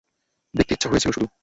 দেখতে ইচ্ছা হয়েছিল শুধু।